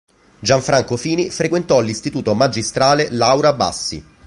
Gianfranco Fini frequentò l'istituto magistrale "Laura Bassi".